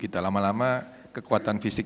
kita lama lama kekuatan fisik